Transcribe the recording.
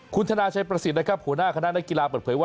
คุณธนาชัยประสิทธิ์นะครับหัวหน้าคณะนักกีฬาเปิดเผยว่า